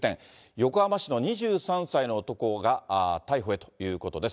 横浜市の２３歳の男が逮捕へということです。